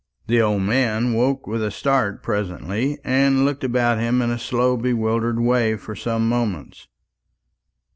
The old man woke with a start presently, and looked about him in a slow bewildered way for some moments.